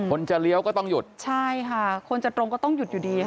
คนจะเลี้ยวก็ต้องหยุดใช่ค่ะคนจะตรงก็ต้องหยุดอยู่ดีค่ะ